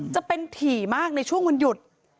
จะเป็นถี่มากในช่วงวันหยุด